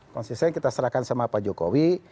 konsisten kita serahkan sama pak jokowi